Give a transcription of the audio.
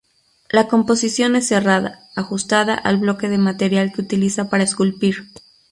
La composición es cerrada, ajustada al bloque de material que utiliza para esculpir.